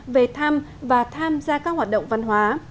về thăm và tham gia các hoạt động văn hóa